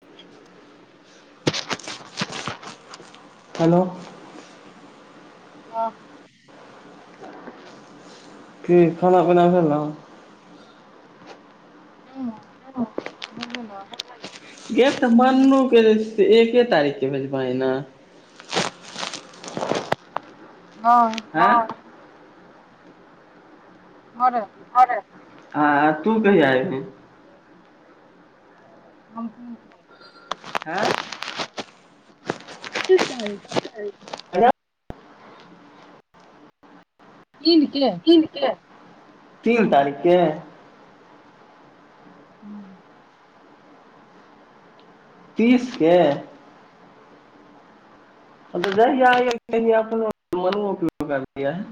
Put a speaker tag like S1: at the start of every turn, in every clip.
S1: [unintelligible]
S2: Hello.
S1: आ
S2: की खाना पीना खलहुँ।
S1: ह बर्द ने। [unintelligible]
S2: गे तऽ मन्नो कें जें छै एके तारीखके भेजबिहीं न
S1: हँ हँ रे
S2: हँ रे हँ तू कहिया एबहिंन
S1: हम कोन छै [inaudible]
S2: हँय
S1: कत आत [inaudible]
S2: ह। [unintelligible]
S1: तीन के
S2: तीन के तीन तारीखके
S1: हूँ
S2: तीसके। हँ जहिया अहिंन तहिया अपनों मनुयो क लक आबि जैहैन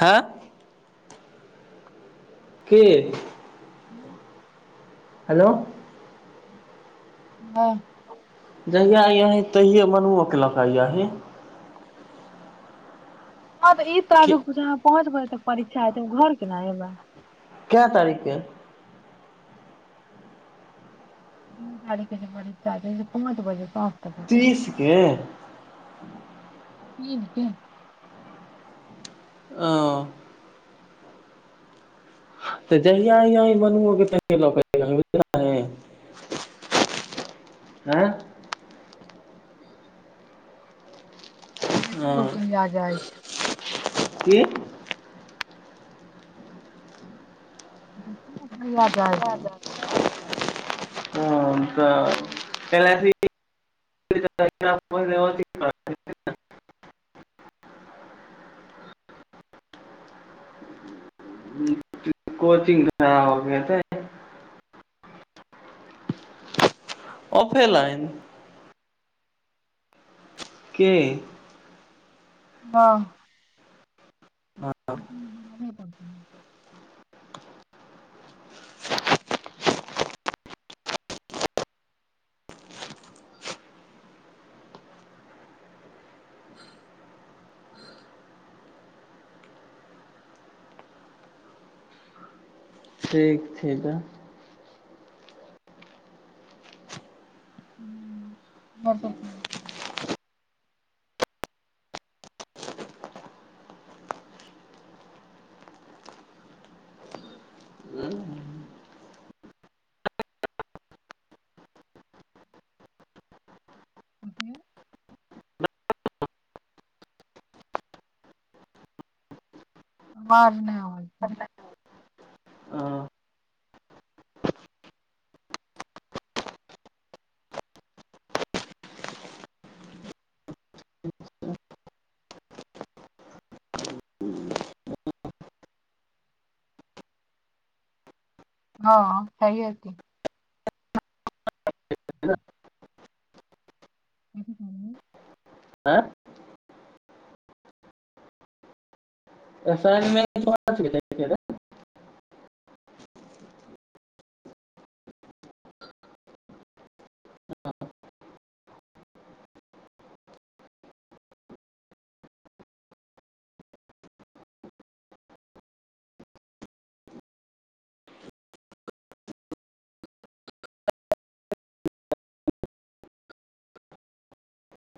S2: हँ की
S1: हँ
S2: हेलो।
S1: हँ।
S2: जहियआ अइयही तहिए मनुओके लऽ कऽ अइयहिं
S1: हँ तऽ ईद ताजूह पहुँचबै। तक परीक्षा हेतै ओ घर केना एबै।
S2: काय तारीख के।
S1: क तारीखे छै बड़ छै पाँच बजे। सासथ दत।
S2: तीस के [unintelligible]
S1: तीन के
S2: ओ। तऽ जहिय बन तहि ल है। आँ।
S1: देखियौ
S2: हँ
S1: कहिया जा जाइ छै
S2: की।
S1: ब आ जााज।
S2: पहिलेथी [inaudible] सी कोचिंग कराओ क एतेय ओफे लाइन के।
S1: हँ। ओ नहि [inaudible]
S2: ठीक छै तऽ।
S1: [unintelligible] अत [inaudible] बार नहि आाज त।
S2: हँ
S1: हँ सही होत। अ बान [inaudible]
S2: आँ [unintelligible] ऐसाइमेंट [inaudible] [unintelligible]